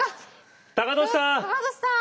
高利さん！